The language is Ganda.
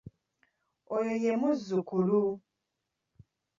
Oyo ye muzzukulu.